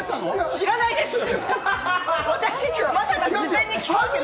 知らないですよ！